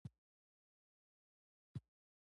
هغه انخورهم زما دی